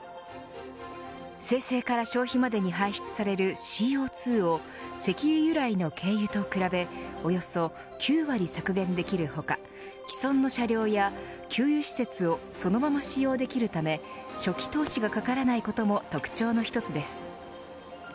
生成から消費までに排出されるＣＯ２を石油由来の軽油と比べおよそ９割削減できる他既存の車両や給油施設をそのまま使用できるため初期投資がかからないことも特徴の一つです。